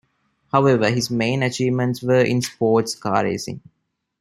However his main achievements were in sports car racing.